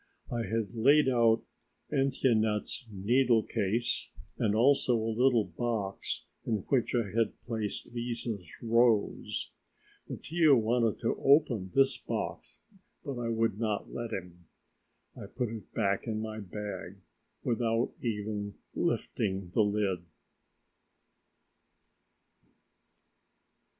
I had laid out Etiennette's needle case and also a little box in which I had placed Lise's rose. Mattia wanted to open this box, but I would not let him. I put it back in my bag without even lifting the lid.